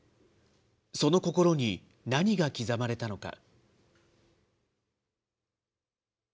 その心に何が刻まれたのか。